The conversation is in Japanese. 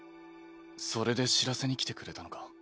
それで知らせに来てくれたのか。